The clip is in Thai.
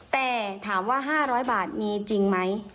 แต่ถามว่า๕๐๐บาทมีจริงไหม